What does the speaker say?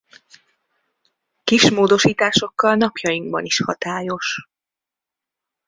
Kis módosításokkal napjainkban is hatályos.